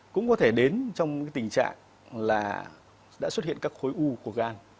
cũng có thể đến trong tình trạng là đã xuất hiện các khối u của gan